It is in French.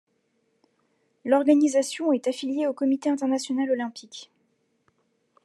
L'organisation est affiliée au Comité international olympique.